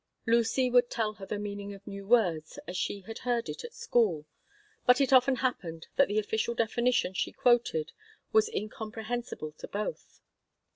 Lucy would tell her the meaning of new words as she had heard it at school, but it often happened that the official definition she quoted was incomprehensible to both.